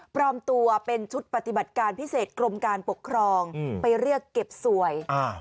ตัวเป็นชุดปฏิบัติการพิเศษกรมการปกครองไปเรียกเก็บสวยอ่า